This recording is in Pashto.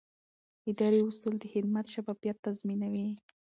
اداري اصول د خدمت شفافیت تضمینوي.